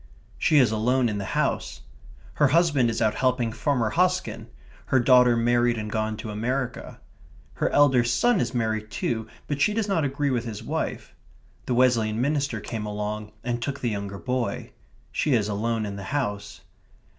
She is alone in the house. Her husband is out helping Farmer Hosken; her daughter married and gone to America. Her elder son is married too, but she does not agree with his wife. The Wesleyan minister came along and took the younger boy. She is alone in the house.